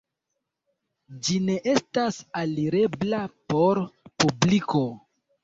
Ĝi ne estas alirebla por publiko.